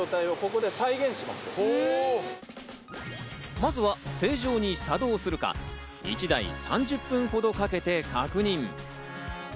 まずは正常に作動するか、１台３０分ほどかけて確認。